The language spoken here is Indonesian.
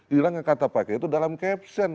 hilangkan kata pake itu dalam caption